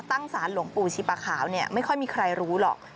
ตั้งสารหลวงปู่ชีปะขาวเนี่ยไม่ค่อยมีใครรู้หรอก